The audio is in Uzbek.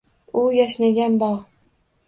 U yashnagan bog’